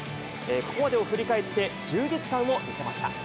ここまでを振り返って充実感を見せました。